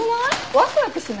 ワクワクしない？